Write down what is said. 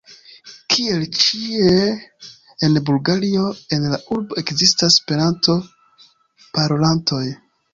Kiel ĉie en Bulgario en la urbo ekzistas Esperanto-parolantoj.